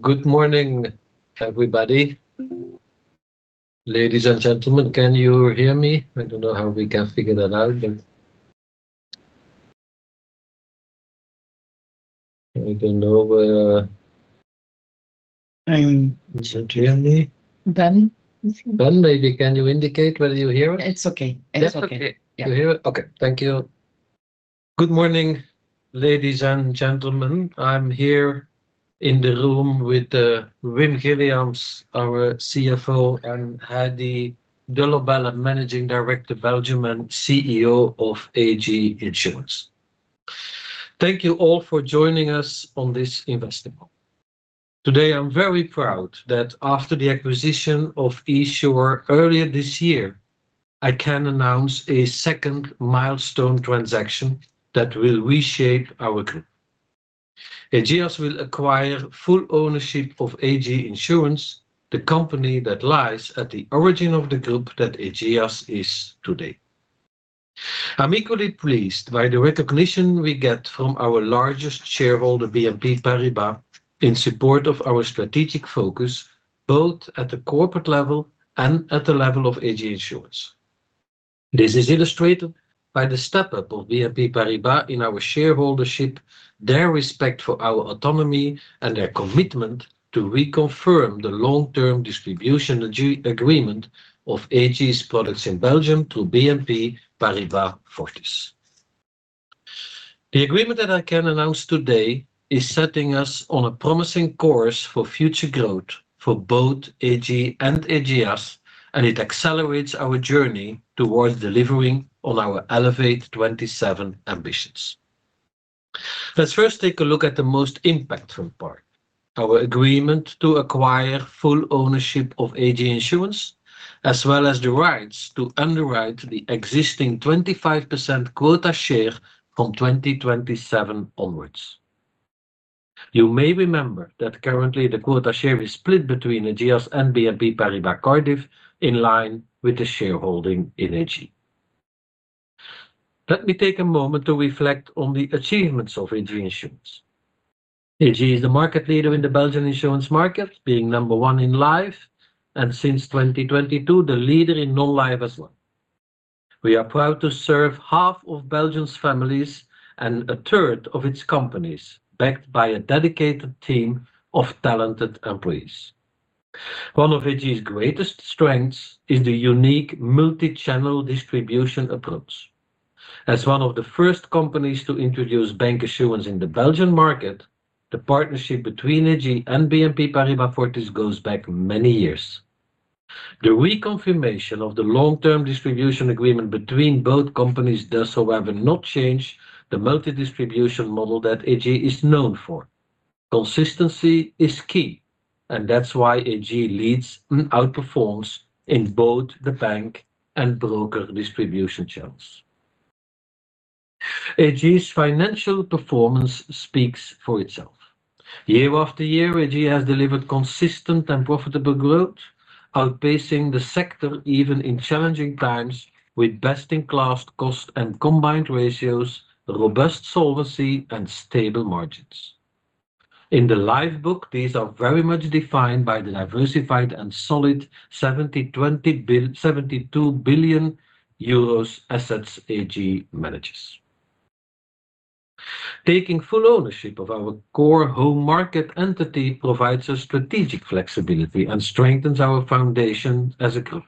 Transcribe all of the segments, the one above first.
Good morning, everybody. Ladies and gentlemen, can you hear me? I don't know how we can figure that out, but I don't know. Ben? Ben, maybe can you indicate whether you hear it? It's okay. It's okay. You hear it? Okay. Thank you. Good morning, ladies and gentlemen. I'm here in the room with Wim Guilliams, our CFO, and Heidi Delobelle, Managing Director, Belgium, and CEO of AG Insurance. Thank you all for joining us on this investment. Today, I'm very proud that after the acquisition of esure earlier this year, I can announce a second milestone transaction that will reshape our group. Ageas will acquire full ownership of AG Insurance, the company that lies at the origin of the group that Ageas is today. I'm equally pleased by the recognition we get from our largest shareholder, BNP Paribas, in support of our strategic focus, both at the corporate level and at the level of AG Insurance. This is illustrated by the step-up of BNP Paribas in our shareholdership, their respect for our autonomy, and their commitment to reconfirm the long-term distribution agreement of Ageas' products in Belgium through BNP Paribas Fortis. The agreement that I can announce today is setting us on a promising course for future growth for both AG and Ageas, and it accelerates our journey towards delivering on our Elevate 27 ambitions. Let's first take a look at the most impactful part: our agreement to acquire full ownership of AG Insurance, as well as the rights to underwrite the existing 25% quota share from 2027 onwards. You may remember that currently, the quota share is split between Ageas and BNP Paribas Cardif in line with the shareholding in AG. Let me take a moment to reflect on the achievements of AG Insurance. AG is the market leader in the Belgian insurance market, being number one in life, and since 2022, the leader in non-life as well. We are proud to serve half of Belgium's families and a third of its companies, backed by a dedicated team of talented employees. One of Ageas' greatest strengths is the unique multi-channel distribution approach. As one of the first companies to introduce bancassurance in the Belgian market, the partnership between AG and BNP Paribas Fortis goes back many years. The reconfirmation of the long-term distribution agreement between both companies does, however, not change the multi-distribution model that AG is known for. Consistency is key, and that's why AG leads and outperforms in both the bank and broker distribution channels. Ageas' financial performance speaks for itself. Year after year, AG has delivered consistent and profitable growth, outpacing the sector even in challenging times with best-in-class cost and combined ratios, robust solvency, and stable margins. In the live book, these are very much defined by the diversified and solid 72 billion EUR assets AG manages. Taking full ownership of our core home market entity provides us strategic flexibility and strengthens our foundation as a group.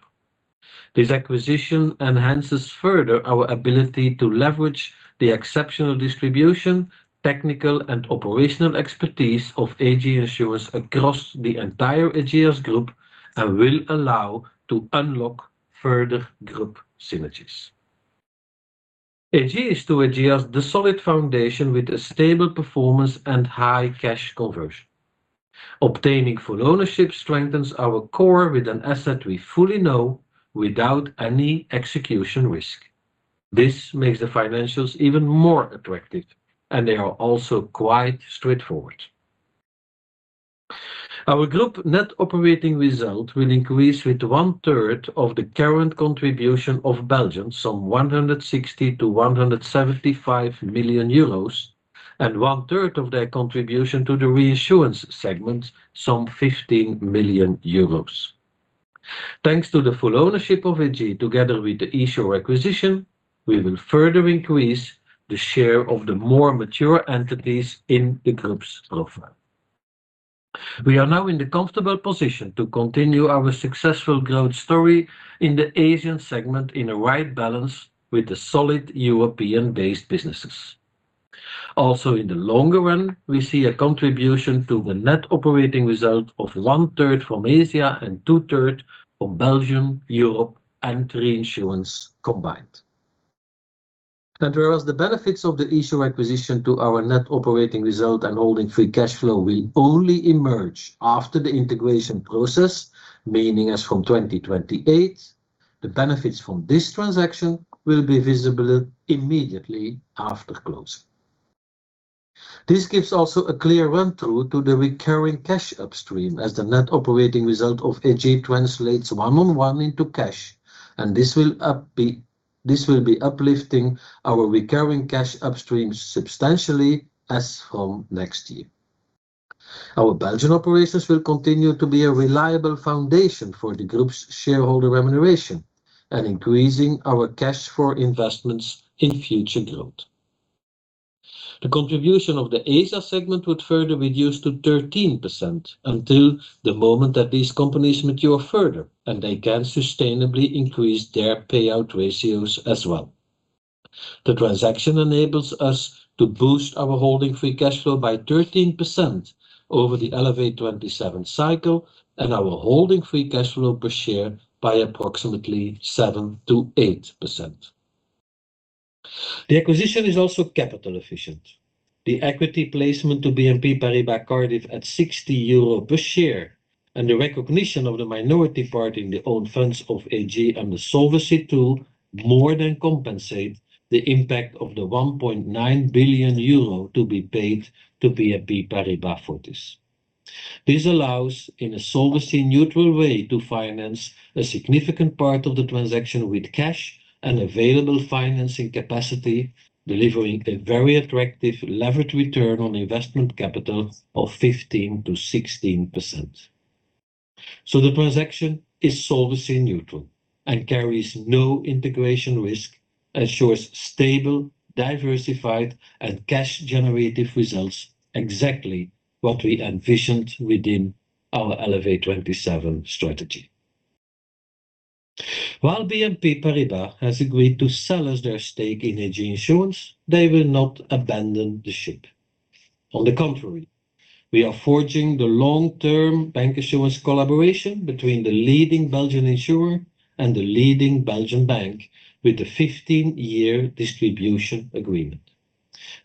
This acquisition enhances further our ability to leverage the exceptional distribution, technical, and operational expertise of AG Insurance across the entire Ageas group and will allow us to unlock further group synergies. AG is to Ageas the solid foundation with a stable performance and high cash conversion. Obtaining full ownership strengthens our core with an asset we fully know without any execution risk. This makes the financials even more attractive, and they are also quite straightforward. Our group net operating result will increase with one-third of the current contribution of Belgium, some 160 million-175 million euros, and one-third of their contribution to the reinsurance segment, some 15 million euros. Thanks to the full ownership of AG together with the esure acquisition, we will further increase the share of the more mature entities in the group's profile. We are now in the comfortable position to continue our successful growth story in the Asian segment in a right balance with the solid European-based businesses. Also, in the longer run, we see a contribution to the net operating result of one-third from Asia and two-thirds from Belgium, Europe, and reinsurance combined. Whereas the benefits of the esure acquisition to our net holding free cash flow will only emerge after the integration process, meaning as from 2028, the benefits from this transaction will be visible immediately after closing. This gives also a clear run-through to the recurring cash upstream as the net operating result of AG translates one-on-one into cash, and this will be uplifting our recurring cash upstream substantially as from next year. Our Belgian operations will continue to be a reliable foundation for the group's shareholder remuneration and increasing our cash for investments in future growth. The contribution of the Asia segment would further reduce to 13% until the moment that these companies mature further, and they can sustainably increase their payout ratios as well. The transaction enables us holding free cash flow by 13% over the Elevate 27 holding free cash flow per share by approximately 7%-8%. The acquisition is also capital efficient. The equity placement to BNP Paribas Cardif at 60 euro per share and the recognition of the minority part in the own funds of AG and the Solvency II more than compensate the impact of the 1.9 billion euro to be paid to BNP Paribas Fortis. This allows, in a solvency-neutral way, to finance a significant part of the transaction with cash and available financing capacity, delivering a very attractive leverage return on investment capital of 15%-16%. So the transaction is solvency-neutral and carries no integration risk, ensures stable, diversified, and cash-generative results, exactly what we envisioned within our Elevate 27 strategy. While BNP Paribas has agreed to sell us their stake in AG Insurance, they will not abandon the ship. On the contrary, we are forging the long-term bancassurance collaboration between the leading Belgian insurer and the leading Belgian bank with the 15-year distribution agreement.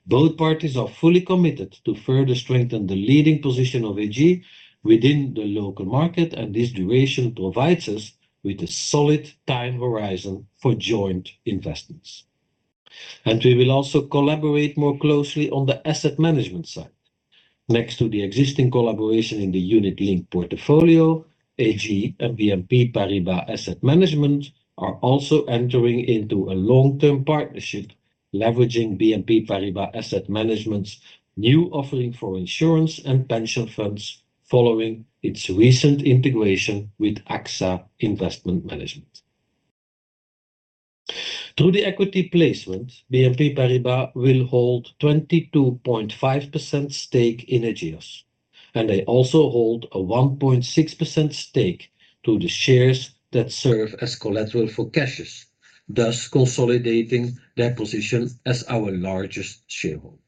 Both parties are fully committed to further strengthen the leading position of AG within the local market, and this duration provides us with a solid time horizon for joint investments, and we will also collaborate more closely on the asset management side. Next to the existing collaboration in the unit-linked portfolio, AG and BNP Paribas Asset Management are also entering into a long-term partnership, leveraging BNP Paribas Asset Management's new offering for insurance and pension funds following its recent integration with AXA Investment Management. Through the equity placement, BNP Paribas will hold 22.5% stake in Ageas, and they also hold a 1.6% stake to the shares that serve as collateral for CASHES, thus consolidating their position as our largest shareholder.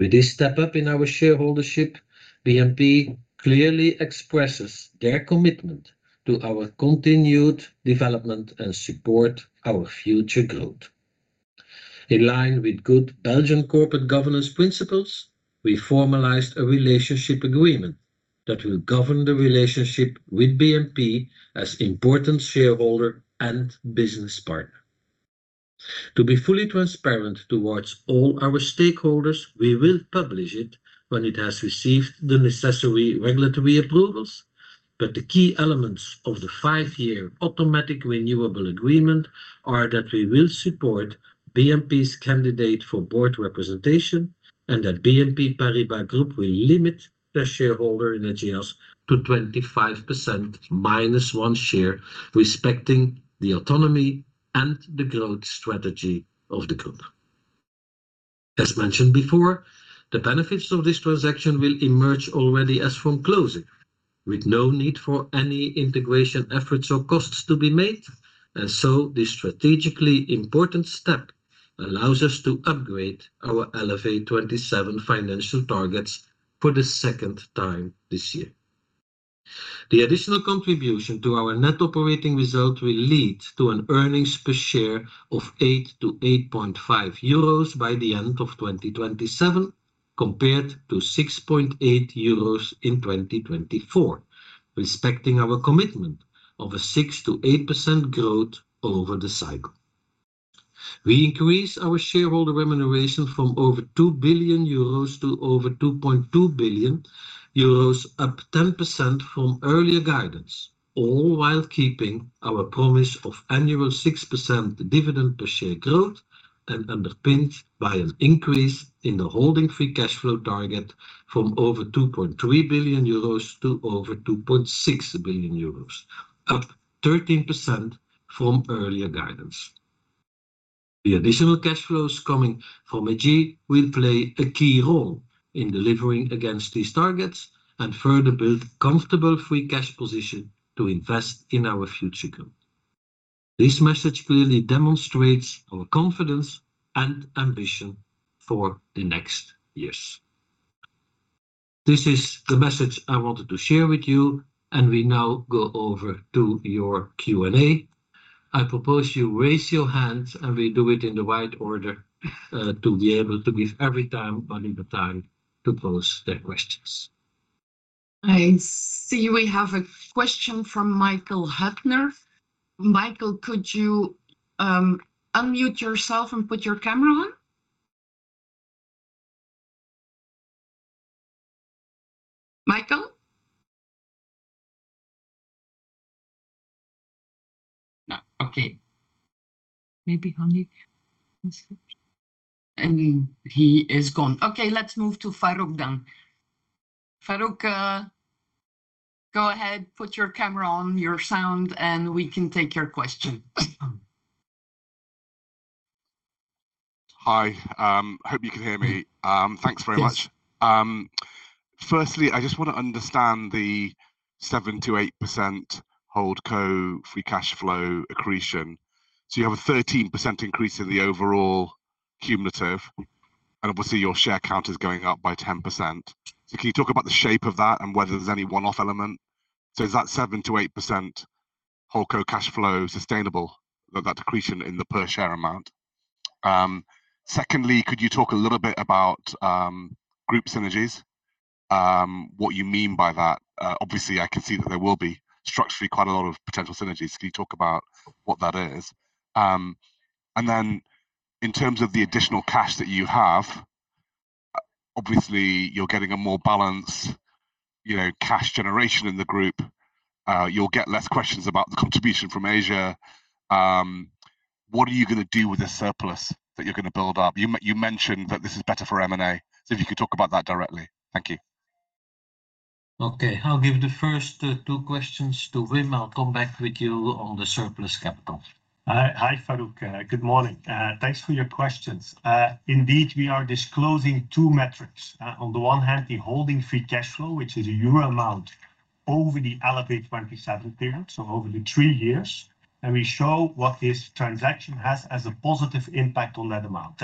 With this step-up in our shareholdership, BNP clearly expresses their commitment to our continued development and support our future growth. In line with good Belgian corporate governance principles, we formalized relationship agreement that will govern the relationship with BNP as important shareholder and business partner. To be fully transparent towards all our stakeholders, we will publish it when it has received the necessary regulatory approvals, but the key elements of the five-year automatic renewable agreement are that we will support BNP's candidate for board representation and that BNP Paribas Group will limit their shareholder in Ageas to 25% minus one share, respecting the autonomy and the growth strategy of the group. As mentioned before, the benefits of this transaction will emerge already as from closing, with no need for any integration efforts or costs to be made, and so this strategically important step allows us to upgrade our Elevate 27 financial targets for the second time this year. The additional contribution to our net operating result will lead to an earnings per share of 8 to 8.5 euros by the end of 2027, compared to 6.8 euros in 2024, respecting our commitment of a 6%-8% growth over the cycle. We increase our shareholder remuneration from over 2 billion euros to over 2.2 billion euros, up 10% from earlier guidance, all while keeping our promise of annual 6% dividend per share growth and underpinned by an holding free cash flow target from over 2.3 billion euros to over 2.6 billion euros, up 13% from earlier guidance. The additional cash flows coming from AG will play a key role in delivering against these targets and further build a comfortable free cash position to invest in our future growth. This message clearly demonstrates our confidence and ambition for the next years. This is the message I wanted to share with you, and we now go over to your Q&A. I propose you raise your hands, and we do it in the right order to be able to give every time valuable time to pose their questions. I see we have a question from Michael Huttner. Michael, could you unmute yourself and put your camera on? Michael? Okay.Maybe unmute, and he is gone. Okay, let's move to Farooq then. Farooq, go ahead, put your camera on, your sound, and we can take your question. Hi, hope you can hear me. Thanks very much. Firstly, I just want to understand the 7%-8% holding co free cash flow accretion. So you have a 13% increase in the overall cumulative, and obviously your share count is going up by 10%. So can you talk about the shape of that and whether there's any one-off element? So is that 7%-8% holding co cash flow sustainable, that decrease in the per share amount? Secondly, could you talk a little bit about group synergies, what you mean by that? Obviously, I can see that there will be structurally quite a lot of potential synergies. Can you talk about what that is? And then in terms of the additional cash that you have, obviously you're getting a more balanced cash generation in the group. You'll get less questions about the contribution from Asia. What are you going to do with the surplus that you're going to build up? You mentioned that this is better for M&A. So if you could talk about that directly. Thank you. Okay, I'll give the first two questions to Wim. I'll come back with you on the surplus capital. Hi, Farooq. Good morning. Thanks for your questions. Indeed, we are disclosing two metrics. On the holding free cash flow, which is a EUR amount over the Elevate 27 period, so over the three years, and we show what this transaction has as a positive impact on that amount.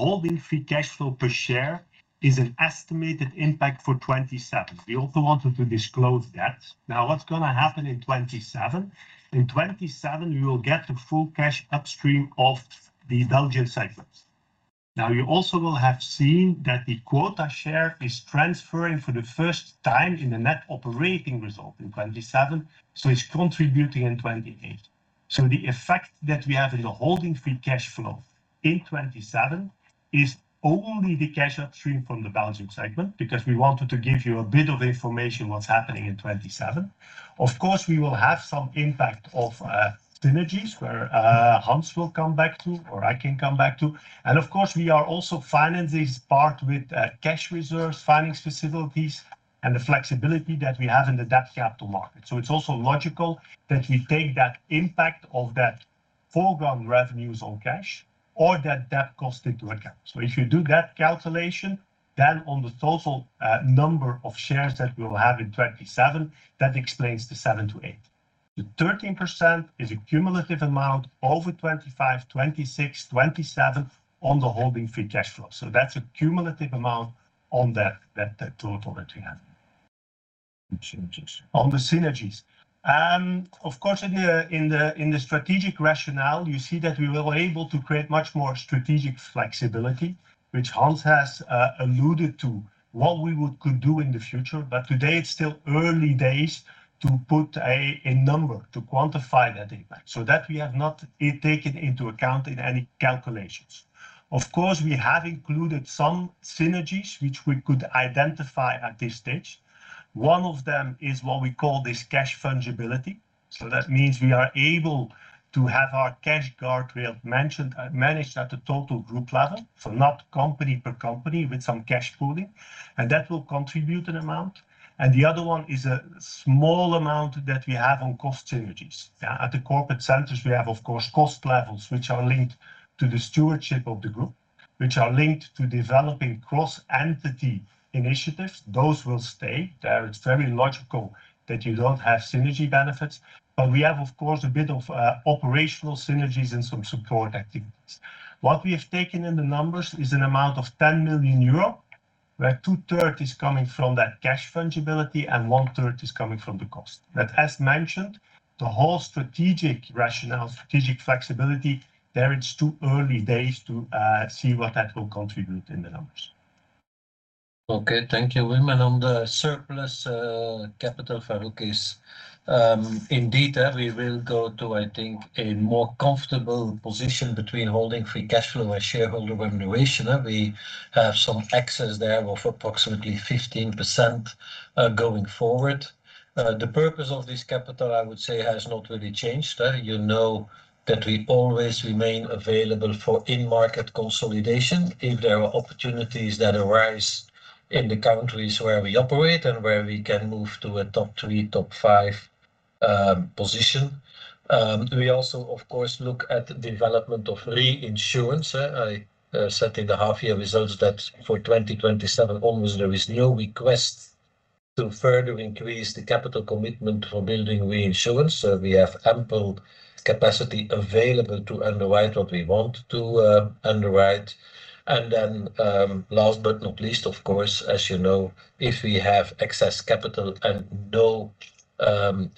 holding free cash flow per share is an estimated impact for 2027. We also wanted to disclose that. Now, what's going to happen in 2027? In 2027, we will get the full cash upstream of the Belgian segments. Now, you also will have seen that the quota share is transferring for the first time in the net operating result in 2027, so it's contributing in 2028. So the effect that we holding free cash flow in 2027 is only the cash upstream from the Belgian segment because we wanted to give you a bit of information on what's happening in 2027. Of course, we will have some impact of synergies where Hans will come back to, or I can come back to. And of course, we are also financing this part with cash reserves, finance facilities, and the flexibility that we have in the debt capital market. So it's also logical that we take that impact of that foregone revenues on cash or that debt cost into account. If you do that calculation, then on the total number of shares that we will have in 2027, that explains the 7%-8%. The 13% is a cumulative amount over 2025, 2026, holding free cash flow. that's a cumulative amount on that total that we have. On the synergies. Of course, in the strategic rationale, you see that we were able to create much more strategic flexibility, which Hans has alluded to what we could do in the future, but today it's still early days to put a number to quantify that impact so that we have not taken into account in any calculations. Of course, we have included some synergies which we could identify at this stage. One of them is what we call this cash fungibility. So that means we are able to have our cash guardrail managed at a total group level, so not company per company with some cash pooling, and that will contribute an amount. And the other one is a small amount that we have on cost synergies. At the corporate centers, we have, of course, cost levels which are linked to the stewardship of the group, which are linked to developing cross-entity initiatives. Those will stay. It's very logical that you don't have synergy benefits, but we have, of course, a bit of operational synergies and some support activities. What we have taken in the numbers is an amount of 10 million euro, where two-thirds is coming from that cash fungibility and one-third is coming from the cost. But as mentioned, the whole strategic rationale, strategic flexibility, there it's too early days to see what that will contribute in the numbers. Okay, thank you, Wim. And on the surplus capital, Farooq is indeed, we will go to, I think, a more holding free cash flow and shareholder remuneration. We have some excess there of approximately 15% going forward. The purpose of this capital, I would say, has not really changed. You know that we always remain available for in-market consolidation if there are opportunities that arise in the countries where we operate and where we can move to a top three, top five position. We also, of course, look at the development of reinsurance. I said in the half-year results that for 2027, almost there is no request to further increase the capital commitment for building reinsurance. So we have ample capacity available to underwrite what we want to underwrite. And then last but not least, of course, as you know, if we have excess capital and no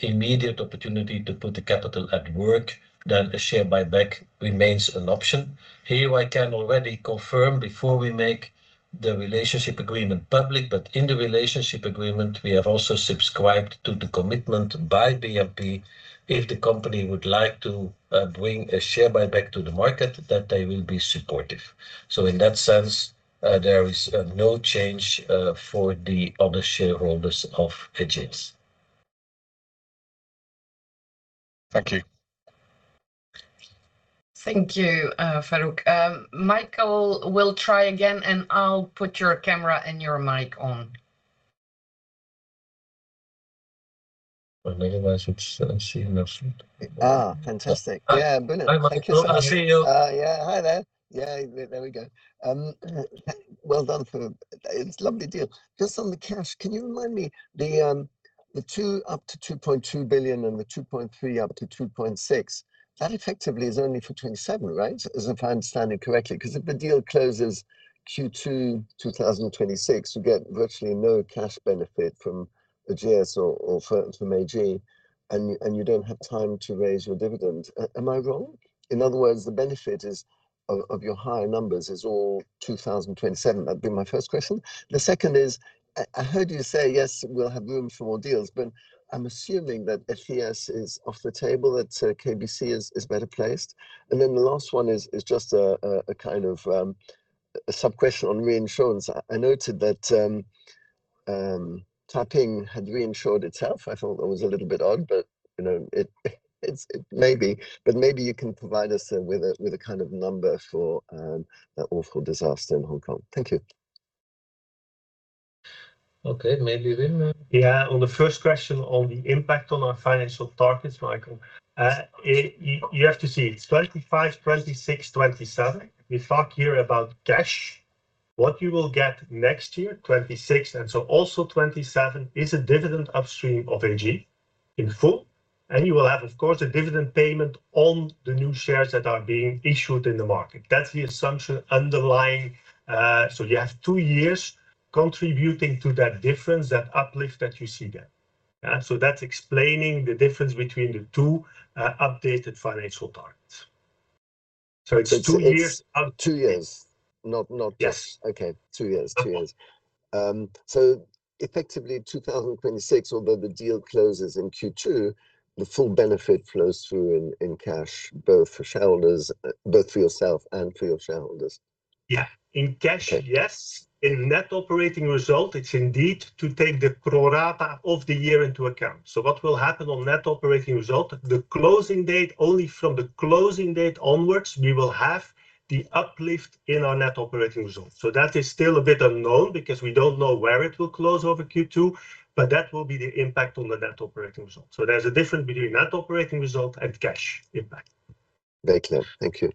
immediate opportunity to put the capital at work, then a share buyback remains an option. Here I can already confirm before we make relationship agreement public, but in relationship agreement, we have also subscribed to the commitment by BNP if the company would like to bring a share buyback to the market that they will be supportive. So in that sense, there is no change for the other shareholders of Ageas. Thank you. Thank you, Farooq. Michael will try again, and I'll put your camera and your mic on. Fantastic. Yeah, good. Thank you. Yeah, hi there. Yeah, there we go. Well done for it. It's a lovely deal. Just on the cash, can you remind me the 2-2.2 billion and the 2.3-2.6, that effectively is only for 2027, right? As if I'm understanding correctly, because if the deal closes Q2 2026, you get virtually no cash benefit from Ageas or from AG, and you don't have time to raise your dividend. Am I wrong? In other words, the benefit of your high numbers is all 2027. That'd be my first question. The second is, I heard you say, yes, we'll have room for more deals, but I'm assuming that Ageas is off the table, that KBC is better placed. And then the last one is just a kind of sub-question on reinsurance. I noted that Taiping had reinsured itself. I thought that was a little bit odd, but it may be, but maybe you can provide us with a kind of number for that awful disaster in Hong Kong. Thank you. Okay, maybe Wim. Yeah, on the first question on the impact on our financial targets, Michael, you have to see it's 2025, 2026, 2027. We talk here about cash, what you will get next year, 2026, and so also 2027 is a dividend upstream of AG in full, and you will have, of course, a dividend payment on the new shares that are being issued in the market. That's the assumption underlying. So you have two years contributing to that difference, that uplift that you see there. So that's explaining the difference between the two updated financial targets. So it's two years. Two years. Not just. Okay, two years. Two years. So effectively 2026, although the deal closes in Q2, the full benefit flows through in cash, both for shareholders, both for yourself and for your shareholders. Yeah, in cash, yes. In net operating result, it's indeed to take the pro rata of the year into account. So what will happen on net operating result, the closing date, only from the closing date onwards, we will have the uplift in our net operating result. So that is still a bit unknown because we don't know where it will close over Q2, but that will be the impact on the net operating result. So there's a difference between net operating result and cash impact. Very clear. Thank you.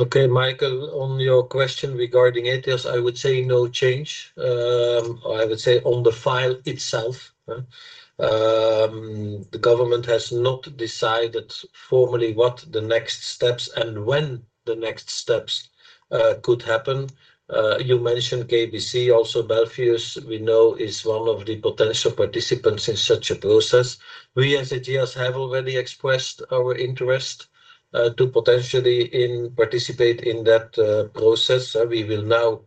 Okay, Michael, on your question regarding Ageas, I would say no change. I would say on the file itself, the government has not decided formally what the next steps and when the next steps could happen. You mentioned KBC, also Belfius, we know, is one of the potential participants in such a process. We as Ageas have already expressed our interest to potentially participate in that process. We will now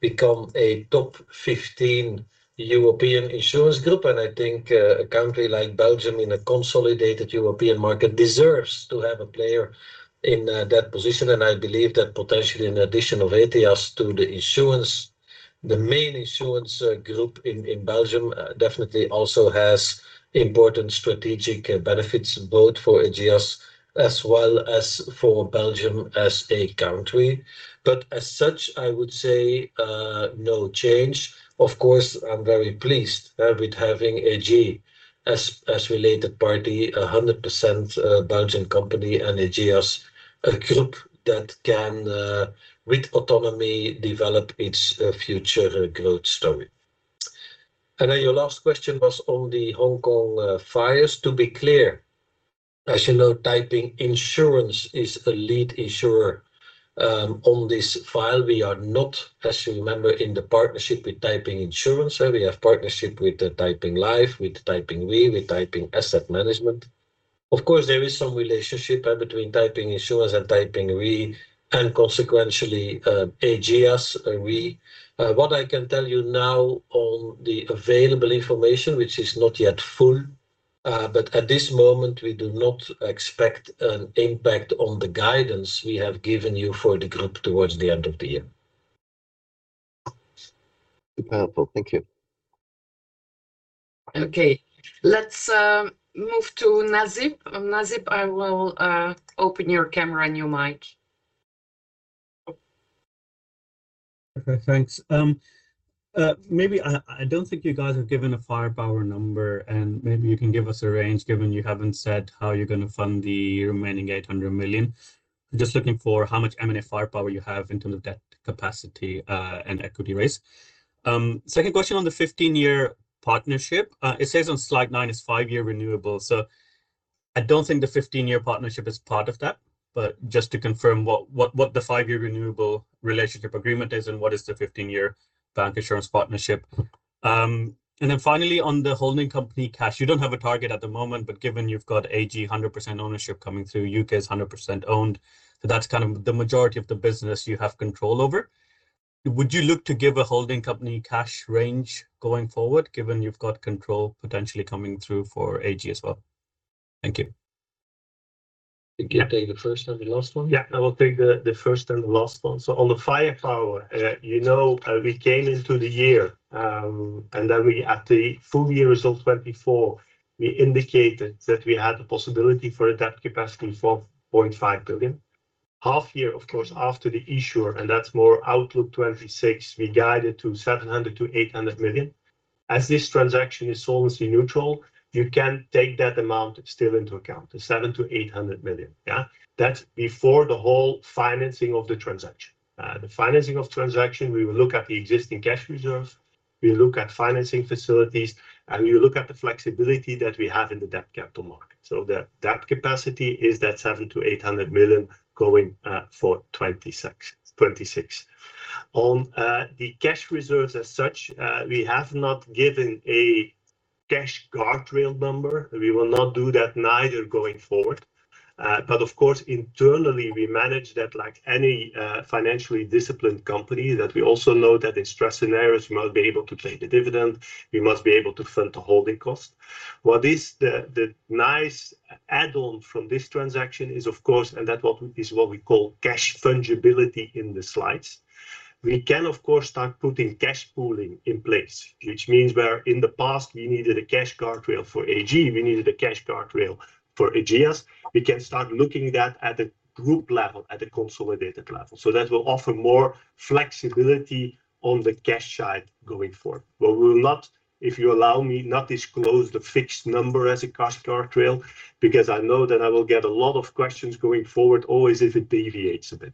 become a top 15 European insurance group, and I think a country like Belgium in a consolidated European market deserves to have a player in that position, and I believe that potentially an addition of Ageas to the insurance, the main insurance group in Belgium, definitely also has important strategic benefits both for Ageas as well as for Belgium as a country, but as such, I would say no change. Of course, I'm very pleased with having AG as related party, a 100% Belgian company and Ageas group that can, with autonomy, develop its future growth story. And then your last question was on the Hong Kong fires. To be clear, as you know, Taiping Insurance is a lead insurer on this file. We are not, as you remember, in the partnership with Taiping Insurance. We have partnership with Taiping Life, with Taiping Re, with Taiping Asset Management. Of course, there is some relationship between Taiping Insurance and Taiping Re and consequently Ageas Re. What I can tell you now on the available information, which is not yet full, but at this moment, we do not expect an impact on the guidance we have given you for the group towards the end of the year. Super helpful. Thank you. Okay, let's move to Nasib. Nasib, I will open your camera and your mic. Thanks. Maybe I don't think you guys have given a firepower number, and maybe you can give us a range given you haven't said how you're going to fund the remaining 800 million. Just looking for how much M&A firepower you have in terms of debt capacity and equity raise. Second question on the 15-year partnership. It says on slide nine it's five-year renewable. So I don't think the 15-year partnership is part of that, but just to confirm what the five-yearrelationship agreement is and what is the 15-year bancassurance partnership. And then finally, on the holding company cash, you don't have a target at the moment, but given you've got AG 100% ownership coming through, UK is 100% owned. So that's kind of the majority of the business you have control over. Would you look to give a holding company cash range going forward given you've got control potentially coming through for Ageas as well? Thank you. Can you take the first and the last one? Yeah, I will take the first and the last one. So on the firepower, you know we came into the year and then at the full year result 2024, we indicated that we had the possibility for a debt capacity of 1.5 billion. Half-year, of course, after the esure, and that's for outlook 2026, we guided to 700 million-800 million. As this transaction is solvency neutral, you can take that amount still into account, the 700-EUR800 million. Yeah, that's before the whole financing of the transaction. The financing of transaction, we will look at the existing cash reserves, we look at financing facilities, and we look at the flexibility that we have in the debt capital market, so the debt capacity is that 700 million-800 million going for 2026. On the cash reserves as such, we have not given a cash guardrail number. We will not do that either going forward, but of course, internally, we manage that like any financially disciplined company that we also know that in stress scenarios, we must be able to pay the dividend, we must be able to fund the holding cost. What is the nice add-on from this transaction is, of course, and that is what we call cash fungibility in the slides. We can, of course, start putting cash pooling in place, which means where in the past we needed a cash guardrail for AG, we needed a cash guardrail for Ageas, we can start looking at that at a group level, at a consolidated level. So that will offer more flexibility on the cash side going forward. But we will not, if you allow me, not disclose the fixed number as a cash guardrail because I know that I will get a lot of questions going forward always if it deviates a bit.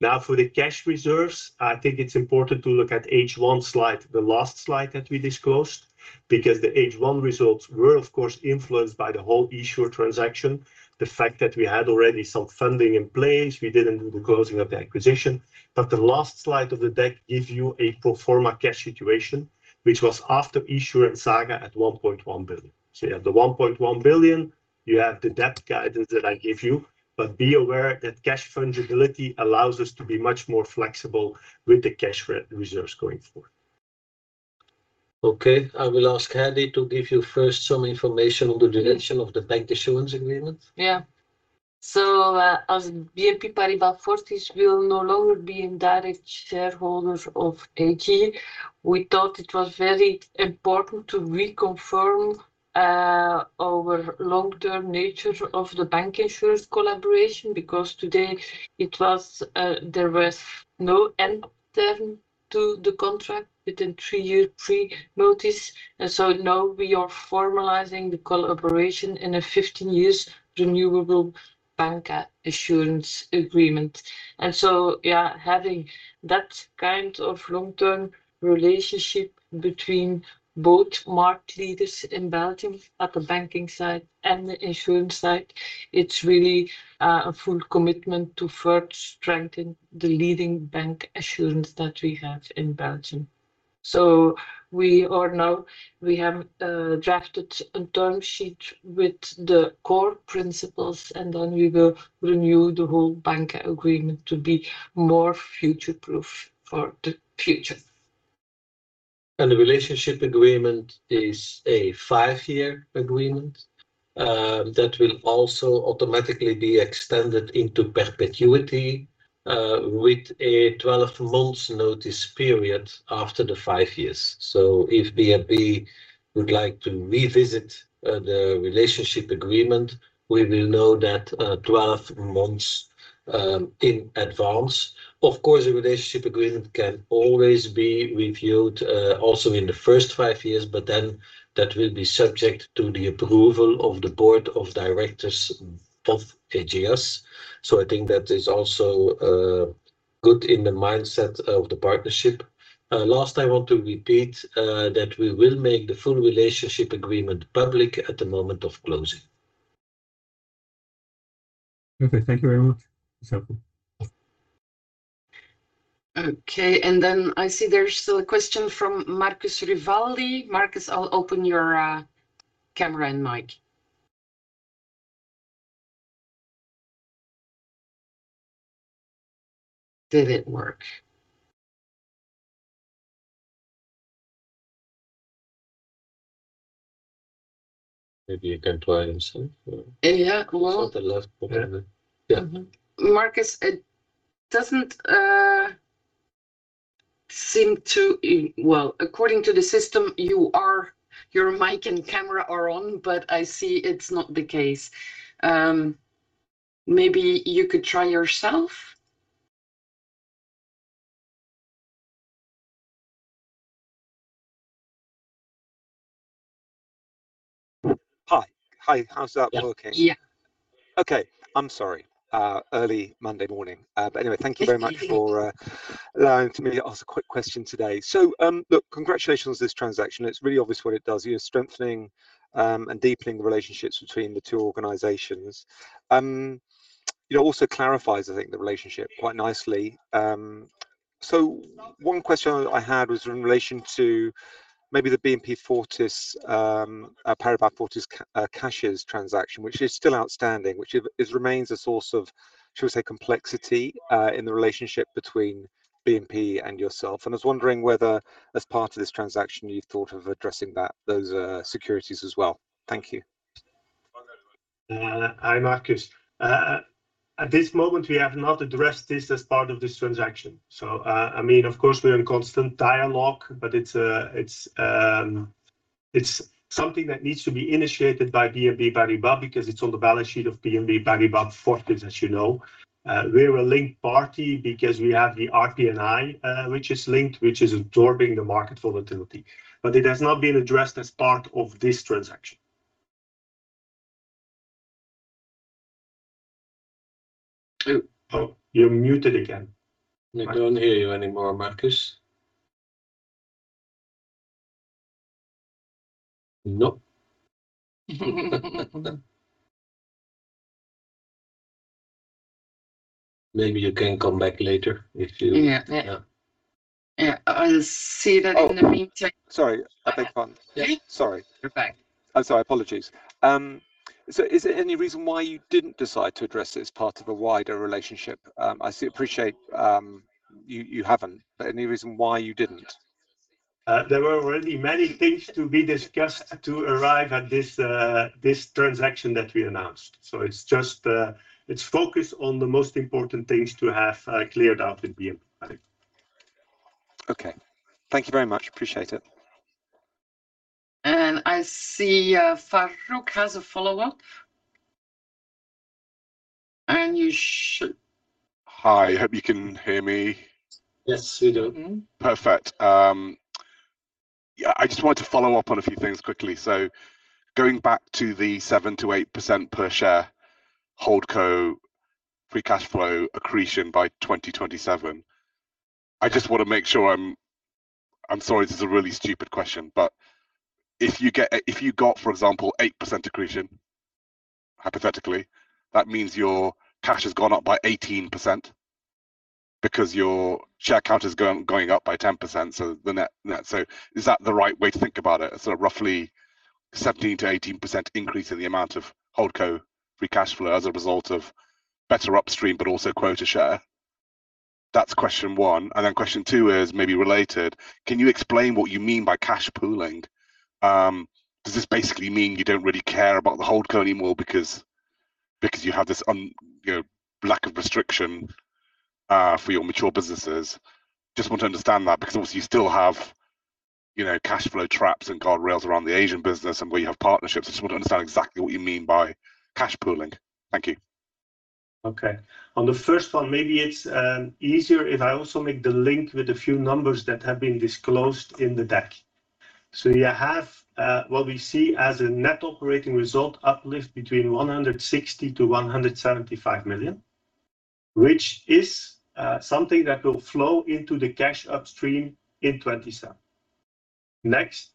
Now, for the cash reserves, I think it's important to look at H1 slide, the last slide that we disclosed because the H1 results were, of course, influenced by the whole esure transaction, the fact that we had already some funding in place, we didn't do the closing of the acquisition. But the last slide of the deck gives you a pro forma cash situation, which was after esure and Saga at 1.1 billion. So you have the 1.1 billion, you have the debt guidance that I give you, but be aware that cash fungibility allows us to be much more flexible with the cash reserves going forward. Okay, I will ask Heidi to give you first some information on the duration of the bancassurance agreement. Yeah. So as BNP Paribas Fortis will no longer be a direct shareholder of AG, we thought it was very important to reconfirm our long-term nature of the bancassurance collaboration because today there was no end term to the contract with a three-year pre-notice. And so now we are formalizing the collaboration in a 15-year renewable bancassurance agreement. And so, yeah, having that kind of long-term relationship between both market leaders in Belgium at the banking side and the insurance side, it's really a full commitment to further strengthen the leading bancassurance that we have in Belgium. We are now. We have drafted a term sheet with the core principles, and then we will renew the whole bank agreement to be more future-proof for the future. relationship agreement is a five-year agreement that will also automatically be extended into perpetuity with a 12-month notice period after the five years. If BNP would like to revisitrelationship agreement, we will know that 12 months in advance. Of course, relationship agreement can always be reviewed also in the first five years, but then that will be subject to the approval of the board of directors of Ageas. So I think that is also good in the mindset of the partnership. Last, I want to repeat that we will make the relationship agreement public at the moment of closing. Perfect. Thank you very much. It's helpful. Okay, and then I see there's a question from Marcus Rivaldi. Marcus, I'll open your camera and mic. Did it work? Maybe you can try yourself. Yeah, well. So the left corner. Yeah. Marcus, it doesn't seem to, well, according to the system, your mic and camera are on, but I see it's not the case. Maybe you could try yourself. Hi. Hi. How's that working? Yeah. Okay. I'm sorry. Early Monday morning. But anyway, thank you very much for allowing me to ask a quick question today. So look, congratulations on this transaction. It's really obvious what it does. You're strengthening and deepening the relationships between the two organizations. It also clarifies, I think, the relationship quite nicely. So one question I had was in relation to maybe the BNP Paribas Fortis CASHES transaction, which is still outstanding, which remains a source of, shall we say, complexity in the relationship between BNP and yourself. And I was wondering whether, as part of this transaction, you thought of addressing those securities as well. Thank you. Hi, Marcus. At this moment, we have not addressed this as part of this transaction. So I mean, of course, we're in constant dialogue, but it's something that needs to be initiated by BNP Paribas because it's on the balance sheet of BNP Paribas Fortis, as you know. We're a linked party because we have the RPN(i), which is linked, which is absorbing the market volatility. But it has not been addressed as part of this transaction. You're muted again. I don't hear you anymore, Marcus.Nope. Maybe you can come back later if you want. Yeah. Yeah. I'll see that in the meantime. Sorry. I'll take one. Yeah. Sorry. Okay. I'm sorry. Apologies. So is there any reason why you didn't decide to address it as part of a wider relationship? I appreciate you haven't, but any reason why you didn't? There were already many things to be discussed to arrive at this transaction that we announced. So it's focused on the most important things to have cleared out with BNP. Okay. Thank you very much. Appreciate it. And I see Farooq has a follow-up. And you should. Hi. I hope you can hear me. Yes, we do. Perfect. Yeah, I just wanted to follow up on a few things quickly. Going back to the 7%-8% per share holdco free cash flow accretion by 2027, I just want to make sure. I'm sorry, this is a really stupid question, but if you got, for example, 8% accretion, hypothetically, that means your cash has gone up by 18% because your share count is going up by 10%. So is that the right way to think about it? Roughly 17%-18% increase in the amount of holdco free cash flow as a result of better upstream, but also quota share. That's question one. Question two is maybe related. Can you explain what you mean by cash pooling? Does this basically mean you don't really care about the holdco anymore because you have this lack of restriction for your mature businesses? Just want to understand that because obviously you still have cash flow traps and guardrails around the Asian business and where you have partnerships. I just want to understand exactly what you mean by cash pooling? Thank you. Okay. On the first one, maybe it's easier if I also make the link with a few numbers that have been disclosed in the deck. So you have what we see as a net operating result uplift between 160-175 million, which is something that will flow into the cash upstream in 2027. Next,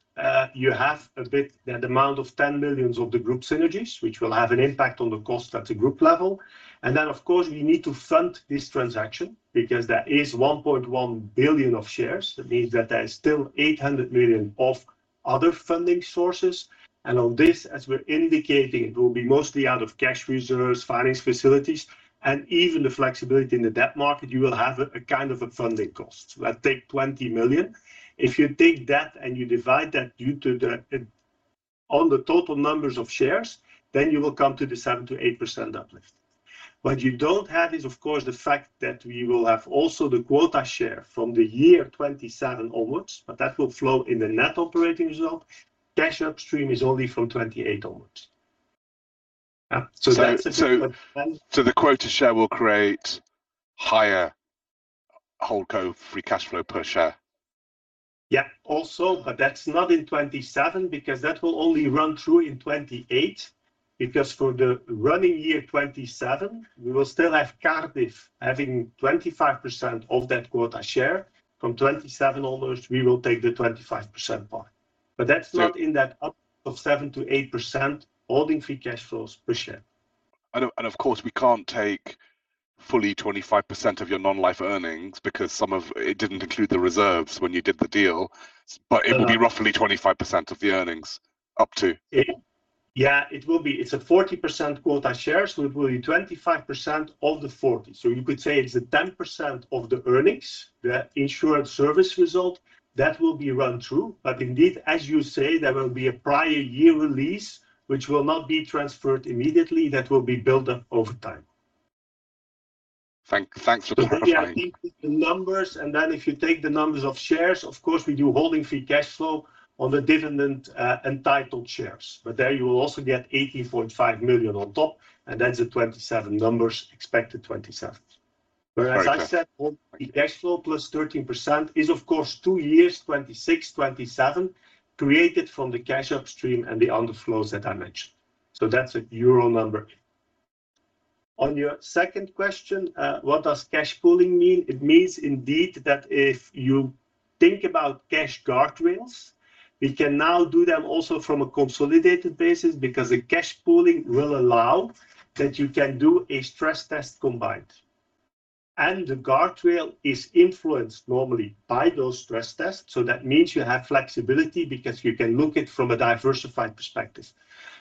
you have about that amount of 10 million of the group synergies, which will have an impact on the cost at the group level. And then, of course, we need to fund this transaction because there is 1.1 billion of shares. That means that there is still 800 million of other funding sources. And on this, as we're indicating, it will be mostly out of cash reserves, finance facilities, and even the flexibility in the debt market, you will have a kind of a funding cost. So that takes 20 million. If you take that and you divide that on the total numbers of shares, then you will come to the 7%-8% uplift. What you don't have is, of course, the fact that we will have also the quota share from the year 2027 onwards, but that will flow in the net operating result. Cash upstream is only from 2028 onwards. So that's a bit. So the quota share will create higher holdco free cash flow per share. Yeah, also, but that's not in 2027 because that will only run through in 2028 because for the running year 2027, we will still have Cardif having 25% of that quota share. From 2027 onwards, we will take the 25% part. But that's not in that up of 8% holding free cash flow per share. And of course, we can't take fully 25% of your non-life earnings because some of it didn't include the reserves when you did the deal, but it will be roughly 25% of the earnings up to. Yeah, it will be. It's a 40% quota shares, so it will be 25% of the 40. So you could say it's a 10% of the earnings, the insurance service result that will be run through. But indeed, as you say, there will be a prior year release, which will not be transferred immediately. That will be built up over time. Thanks for clarifying. Yeah, I think the numbers, and then if you take the numbers of shares, of holding free cash flow on the dividend entitled shares. But there you will also get 18.5 million on top, and that's the 2027 numbers, expected 2027. holding free cash flow plus 13% is, of course, two years, 2026, 2027, created from the cash upstream and the underflows that I mentioned. So that's a euro number. On your second question, what does cash pooling mean? It means indeed that if you think about cash guardrails, we can now do them also from a consolidated basis because the cash pooling will allow that you can do a stress test combined, and the guardrail is influenced normally by those stress tests. So that means you have flexibility because you can look at it from a diversified perspective.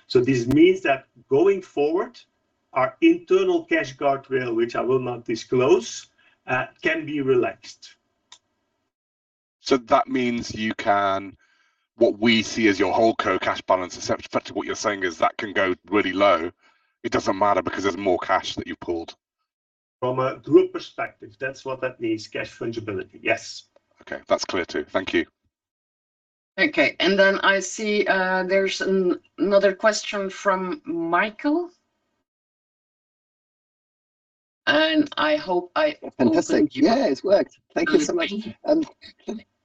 So this means that going forward, our internal cash guardrail, which I will not disclose, can be relaxed. So that means you can what we see as your whole cash balance, etc. But what you're saying is that can go really low. It doesn't matter because there's more cash that you've pulled. From a group perspective, that's what that means, cash fungibility. Yes. Okay. That's clear too. Thank you. Okay. And then I see there's another question from Michael. And I hope I opened up. Fantastic. Yeah, it's worked. Thank you so much. And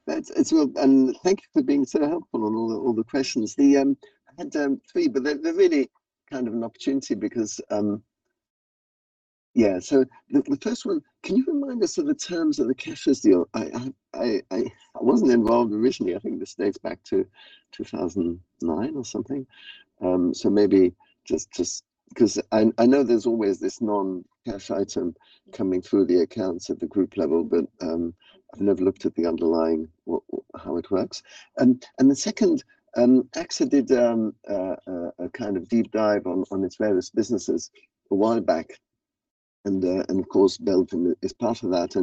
thank you for being so helpful on all the questions. I had three, but they're really kind of an opportunity because, yeah. So the first one, can you remind us of the terms of the CASHES? I wasn't involved originally. I think this dates back to 2009 or something. So maybe just because I know there's always this non-cash item coming through the accounts at the group level, but I've never looked at the underlying how it works. The second, AXA did a kind of deep dive on its various businesses a while back. Of course, Belfius is part of that.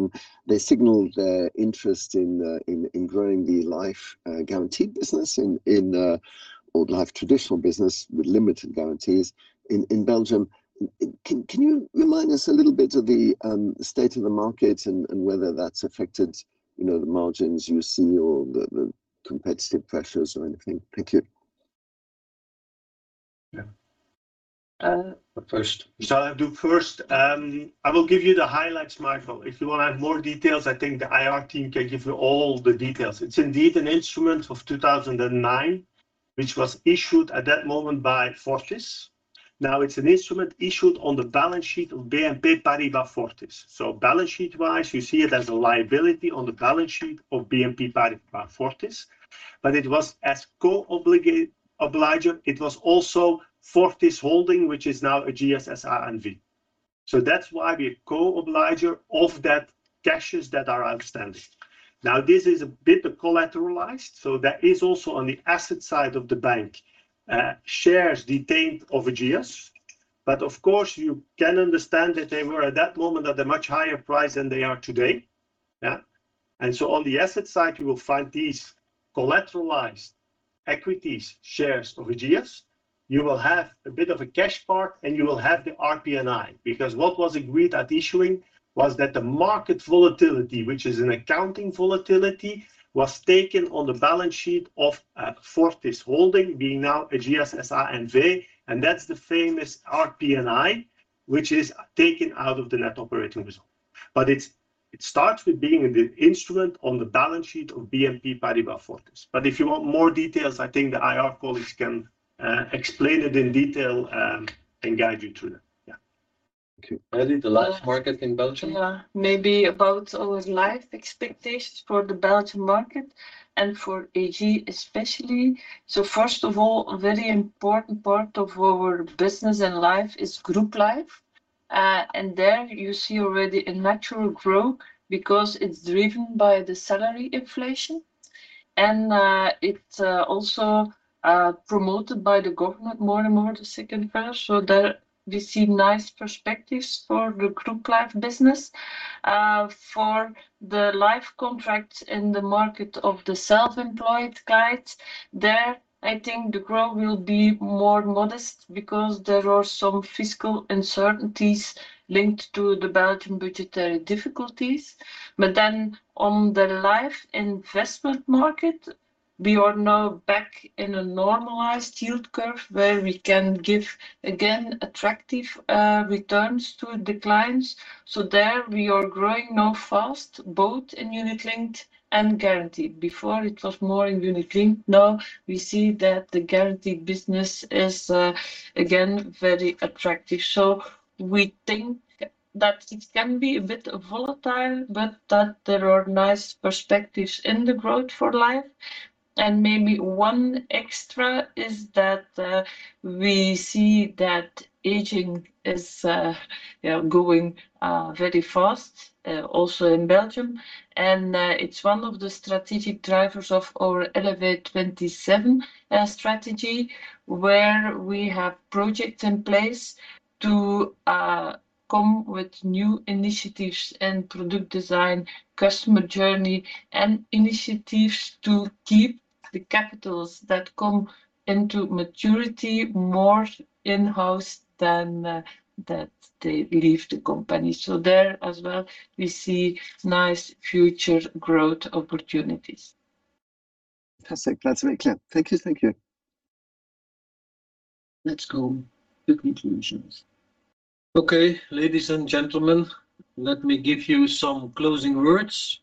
They signaled their interest in growing the life guaranteed business in old life traditional business with limited guarantees in Belgium. Can you remind us a little bit of the state of the market and whether that's affected the margins you see or the competitive pressures or anything? Thank you. First, I will give you the highlights, Michael. If you want to have more details, I think the IR team can give you all the details. It's indeed an instrument of 2009, which was issued at that moment by Fortis. Now, it's an instrument issued on the balance sheet of BNP Paribas Fortis. So balance sheet-wise, you see it as a liability on the balance sheet of BNP Paribas Fortis. But it was as co-obligor. It was also Fortis Holding, which is now Ageas SA/NV. So that's why we are co-obligor of that CASHES that are outstanding. Now, this is a bit collateralized. So that is also on the asset side of the bank, shares retained of Ageas. But of course, you can understand that they were at that moment at a much higher price than they are today. Yeah. And so on the asset side, you will find these collateralized equities, shares of Ageas. You will have a bit of a cash part, and you will have the RPNI because what was agreed at issuing was that the market volatility, which is an accounting volatility, was taken on the balance sheet of Fortis Holding being now an Ageas NV. And that's the famous RPNI, which is taken out of the net operating result. But it starts with being the instrument on the balance sheet of BNP Paribas Fortis. But if you want more details, I think the IR colleagues can explain it in detail and guide you through that. Yeah. Thank you. Heidi, the life market in Belgium. Yeah. Maybe about our life expectations for the Belgian market and for AG especially. So first of all, a very important part of our business and life is group life. And there you see already a natural growth because it's driven by the salary inflation. It's also promoted by the government more and more to second pillar. There we see nice perspectives for the group life business. For the life contracts in the market of the self-employed guides, there I think the growth will be more modest because there are some fiscal uncertainties linked to the Belgian budgetary difficulties. On the life investment market, we are now back in a normalized yield curve where we can give again attractive returns to the clients. There we are growing now fast, both in unit-linked and guaranteed. Before it was more in unit-linked. Now we see that the guaranteed business is again very attractive. We think that it can be a bit volatile, but that there are nice perspectives in the growth for life. Maybe one extra is that we see that aging is going very fast also in Belgium. It's one of the strategic drivers of our Elevate 27 strategy where we have projects in place to come with new initiatives and product design, customer journey, and initiatives to keep the capitals that come into maturity more in-house than that they leave the company. So there as well, we see nice future growth opportunities. Fantastic. That's very clear. Thank you. Thank you. Let's go to conclusions. Okay, ladies and gentlemen, let me give you some closing words.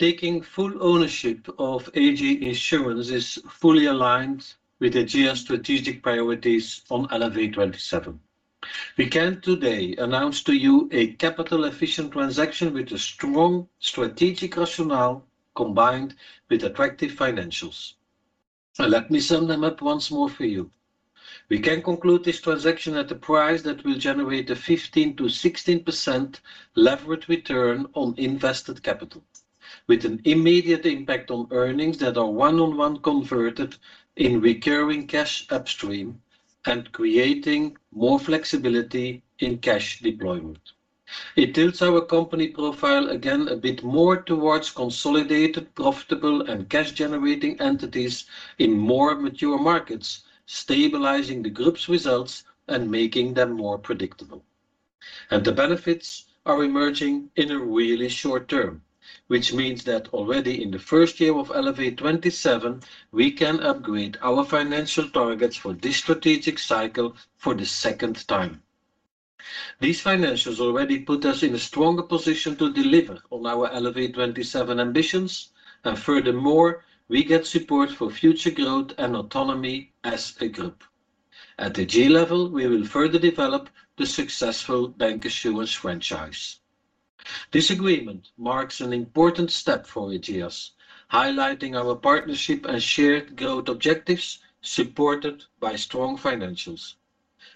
Taking full ownership of AG Insurance is fully aligned with Ageas' strategic priorities on Elevate 27. We can today announce to you a capital-efficient transaction with a strong strategic rationale combined with attractive financials. Let me sum them up once more for you. We can conclude this transaction at a price that will generate a 15%-16% leverage return on invested capital, with an immediate impact on earnings that are one-to-one converted in recurring cash upstream and creating more flexibility in cash deployment. It tilts our company profile again a bit more towards consolidated, profitable, and cash-generating entities in more mature markets, stabilizing the group's results and making them more predictable. And the benefits are emerging in a really short term, which means that already in the first year of Elevate 27, we can upgrade our financial targets for this strategic cycle for the second time. These financials already put us in a stronger position to deliver on our Elevate 27 ambitions. And furthermore, we get support for future growth and autonomy as a group. At the G level, we will further develop the successful bancassurance franchise. This agreement marks an important step for Ageas, highlighting our partnership and shared growth objectives supported by strong financials.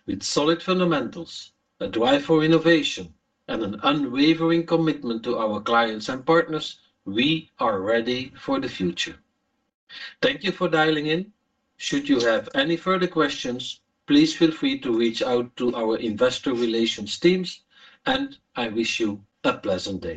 With solid fundamentals, a drive for innovation, and an unwavering commitment to our clients and partners, we are ready for the future. Thank you for dialing in. Should you have any further questions, please feel free to reach out to our investor relations teams, and I wish you a pleasant day.